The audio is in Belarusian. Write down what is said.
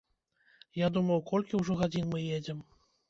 Я думаў, колькі ўжо гадзін мы едзем.